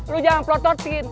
lu jangan prototip